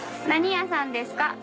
何屋さんですか？